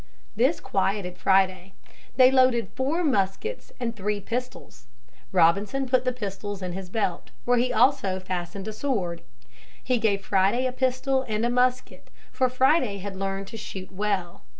This quieted Friday. They loaded four muskets and three pistols. Robinson put the pistols in his belt, where he also fastened a sword. He gave Friday a pistol and a musket, for Friday had learned to shoot well.